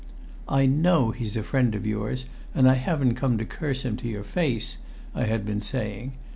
"I know he's a friend of yours, and I haven't come to curse him to your face," I had been saying.